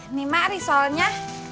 ini mak resolnya